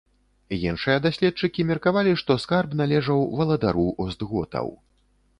Іншыя даследчыкі меркавалі, што скарб належаў валадару остготаў.